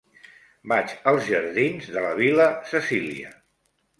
Vaig als jardins de la Vil·la Cecília.